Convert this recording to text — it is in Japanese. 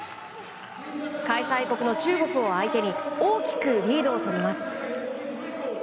開催国の中国を相手に大きくリードをとります。